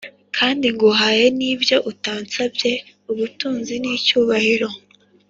Kandi nguhaye n’ibyo utansabye ubutunzi n’icyubahiro